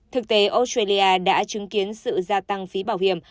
thực tế australia đã chứng kiến sự gia tăng phí bảo hiểm